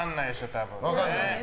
多分。